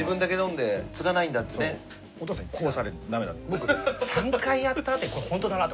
僕３回やった後これホントだなって。